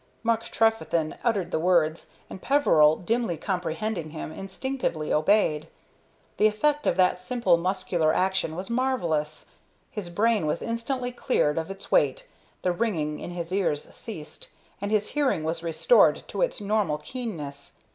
Mark Trefethen uttered the words, and Peveril, dimly comprehending him, instinctively obeyed. The effect of that simple muscular action was marvellous. His brain was instantly cleared of its weight, the ringing in his ears ceased, and his hearing was restored to its normal keenness.